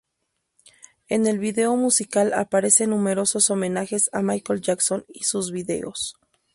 En el video musical aparecen numerosos homenajes a Michael Jackson y sus videos.